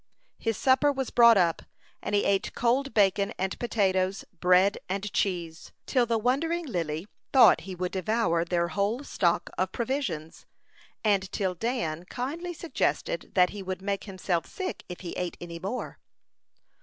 His supper was brought up, and he ate cold bacon and potatoes, bread and cheese, till the wondering Lily thought he would devour their whole stock of provisions, and till Dan kindly suggested that he would make himself sick if he ate any more.